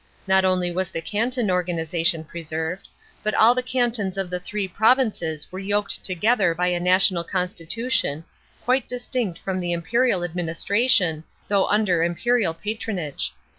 Not only was the canton organisation preserved, but all the cantons of the three provinces were yoked together by a national constitution, quite distinct from the imperial administration, though under imperial patronage.